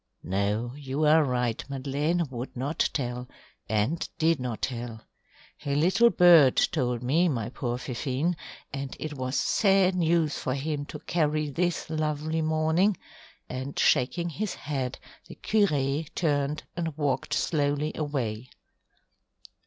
"No, you are right, Madeleine would not tell, and did not tell. A little bird told me, my poor Fifine, and it was sad news for him to carry this lovely morning," and shaking his head, the curé turned and walked slowly away.